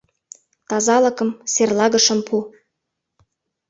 Тазалыкым, серлагышым пу.